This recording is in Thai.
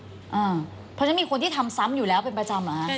เพราะฉะนั้นมีคนที่ทำซ้ำอยู่แล้วเป็นประจำเหรอคะ